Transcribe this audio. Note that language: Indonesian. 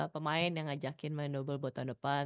pemain yang ngajakin main dobel buat tahun depan